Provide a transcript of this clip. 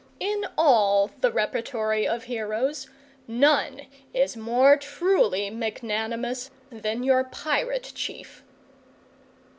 In all the repertory of heroes, none is more truly magnanimous than your pirate chief.